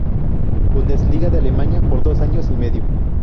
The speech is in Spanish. Bundesliga de Alemania por dos años y medio.